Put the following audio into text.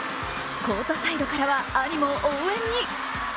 コートサイドからは兄も応援に。